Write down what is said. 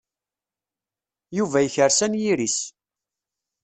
Yuba yekres anyir-is.